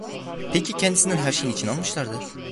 Peki, kendisinden her şeyi niçin almışlardı?